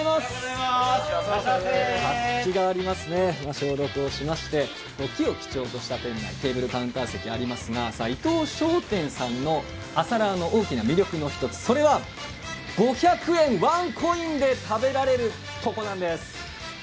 活気がありますね、消毒をしまして木を基調としたテーブルカウンター席がありますが伊藤商店さんの朝ラーの大きな魅力の１つ、それは５００円、ワンコインで食べられるところなんです。